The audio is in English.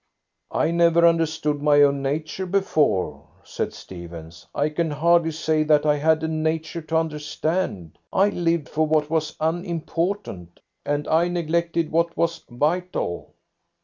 "I never understood my own nature before," said Stephens. "I can hardly say that I had a nature to understand. I lived for what was unimportant, and I neglected what was vital."